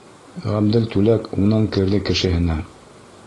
Ғәбделтүләк — Унан керҙе Кешеһенә.